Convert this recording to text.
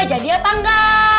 jadi apa engga